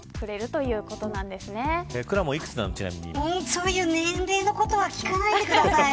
そういう年齢のことは聞かないでください。